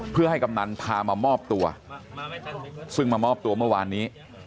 เพื่อให้กำนันพามามอบตัวซึ่งมามอบตัวเมื่อวานนี้